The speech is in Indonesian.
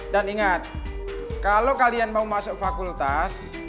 dan ingat kalau kalian mau masuk fakultas